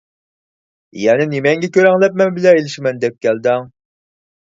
يەنە نېمەڭگە كۆرەڭلەپ مەن بىلەن ئېلىشىمەن دەپ كەلدىڭ؟